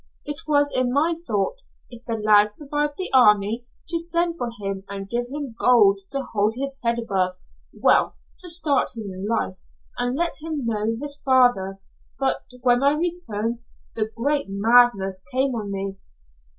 It was in my thought, if the lad survived the army, to send for him and give him gold to hold his head above well to start him in life, and let him know his father, but when I returned, the great madness came on me.